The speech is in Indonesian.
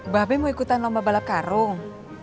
babe mau ikutan lomba balap karung